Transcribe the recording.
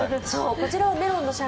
こちらはメロンのシャン